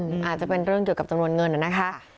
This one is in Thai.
อาจจะเป็นเรื่องเกี่ยวกับจำนวนเงินนะคะ